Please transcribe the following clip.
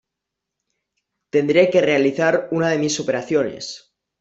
Tendré que realizar una de mis operaciones.